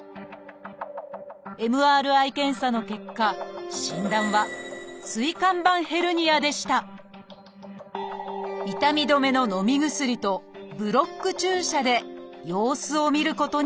ＭＲＩ検査の結果診断は痛み止めののみ薬とブロック注射で様子を見ることになりました。